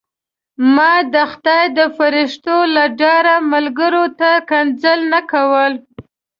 ما د خدای د فرښتو له ډاره ملګرو ته کنځل نه کول.